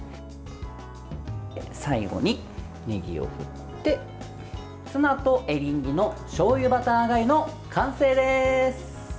最後にねぎを振ってツナとエリンギのしょうゆバターがゆの完成です。